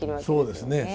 そうですね。